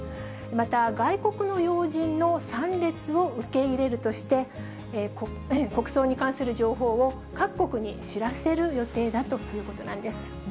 また、外国の要人の参列を受け入れるとして、国葬に関する情報を各国に知らせる予定だということなんです。